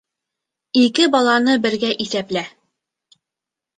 Ике баланы бергә иҫәплә